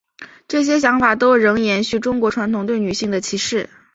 这些想法都仍延续中国传统对女性的歧视。